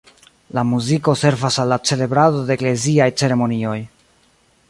La muziko servas al la celebrado de ekleziaj ceremonioj.